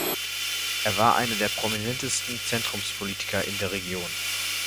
Er war einer der prominentesten Zentrumspolitiker in der Region.